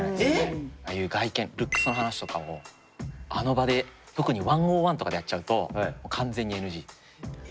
ああいう外見ルックスの話とかをあの場で特に１ｏｎ１とかでやっちゃうと完全にＮＧ。